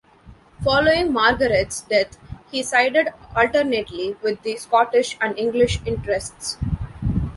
Following Margaret's death, he sided alternately with the Scottish and English interests.